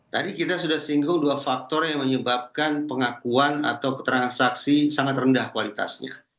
tadi kita sudah singgung dua faktor yang menyebabkan pengakuan atau keterangan saksi sangat rendah kualitasnya